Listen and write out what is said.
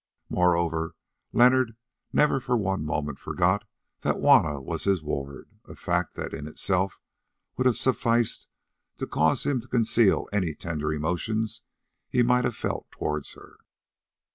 Moreover, Leonard never for one moment forgot that Juanna was his ward, a fact that in itself would have sufficed to cause him to conceal any tender emotions he might have felt towards her.